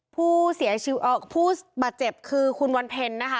ผู้เสียชีวิตผู้บาดเจ็บคือคุณวันเพ็ญนะคะ